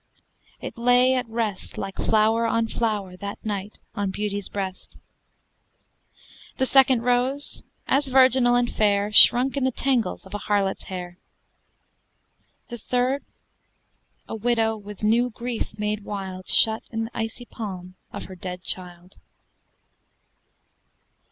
It lay at rest, Like flower on flower, that night, on Beauty's breast. The second rose, as virginal and fair, Shrunk in the tangles of a harlot's hair. The third, a widow, with new grief made wild, Shut in the icy palm of her dead child.